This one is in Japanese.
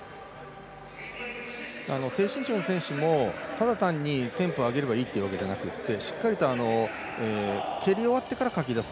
低身長の選手もただ単にテンポを上げればいいということではなくてしっかりと蹴り終わってからかき出す。